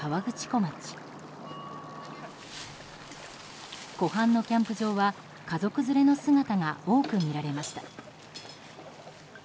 湖畔のキャンプ場は家族連れの姿が多く見られました。